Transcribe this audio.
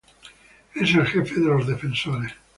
Es el jefe de los defensores.